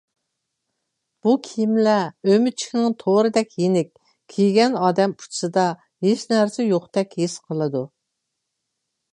بۇ كىيىملەر ئۆمۈچۈكنىڭ تورىدەك يېنىك، كىيگەن ئادەم ئۇچىسىدا ھېچنەرسە يوقتەك ھېس قىلىدۇ.